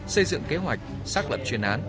xây dựng kế hoạch xác lập chuyên án